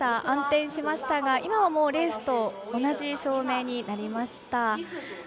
暗転しましたが、今はレースと同じ照明になりました。